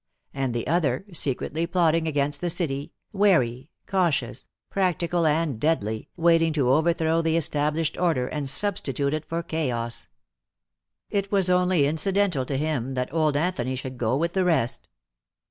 And the other, secretly plotting against the city, wary, cautious, practical and deadly, waiting to overthrow the established order and substitute for it chaos. It was only incidental to him that old Anthony should go with the rest.